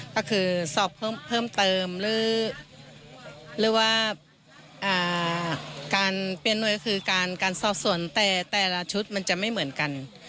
ก็คือสอบเพิ่มเติมหรือว่าการเปลี่ยนหน่วยคือการสอบส่วนแต่ละชุดมันจะไม่เหมือนกัน